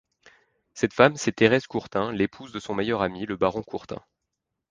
Cette femme, c’est Thérèse Courtin, l’épouse de son meilleur ami, le baron Courtin.